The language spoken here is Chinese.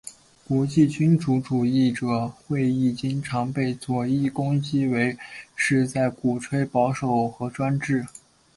国际君主主义者会议经常被左翼攻击为是在鼓吹保守和专制。